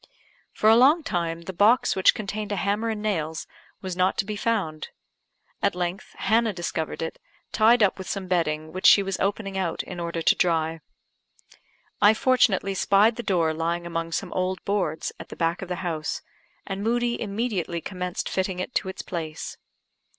For a long time the box which contained a hammer and nails was not to be found. At length Hannah discovered it, tied up with some bedding which she was opening out in order to dry. I fortunately spied the door lying among some old boards at the back of the house, and Moodie immediately commenced fitting it to its place.